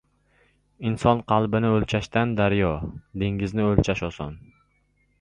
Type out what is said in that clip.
• Inson qalbini o‘lchashdan daryo, dengizni o‘lchash oson.